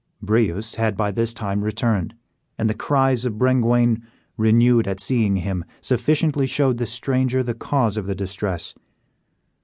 Breuse had by this time returned, and the cries of Brengwain, renewed at seeing him, sufficiently showed the stranger the cause of the distress.